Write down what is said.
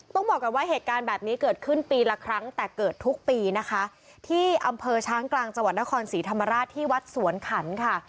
ต้องบอกก่อนว่าเหตุการณ์แบบนี้เกิดขึ้นปีละครั้งแต่เกิดทุกปีนะคะที่อำเภอช้างกลางจังหวัดนครศรีธรรมราชที่วัดสวนขันค่ะ